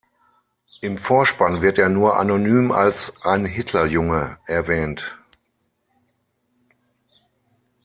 Im Vorspann wird er nur anonym als „ein Hitlerjunge“ erwähnt.